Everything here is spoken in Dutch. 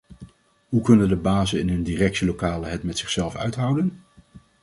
Hoe kunnen de bazen in hun directielokalen het met zichzelf uithouden?